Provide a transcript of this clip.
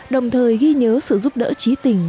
đồng thời ghi nhớ sự giúp đỡ trí tình